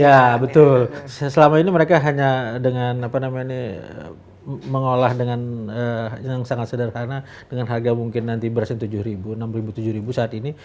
ya betul selama ini mereka hanya dengan mengolah dengan sangat sederhana dengan harga mungkin berasnya tujuh ribu enam ribu saat ini